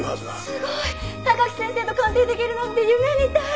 すごい！榊先生と鑑定できるなんて夢みたい！